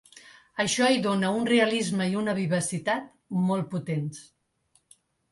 Això hi dóna un realisme i una vivacitat molt potents.